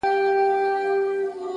اراده د تیارو لارو څراغ بلوي!